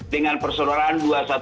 dengan perseroan dua ratus dua belas